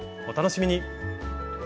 お楽しみに！